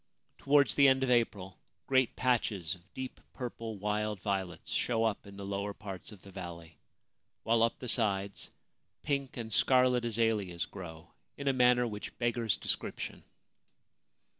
Towards the end of April great patches of deep purple wild violets show up in the lower parts of the valley, while up the sides pink and scarlet azaleas grow in a manner which beggars description.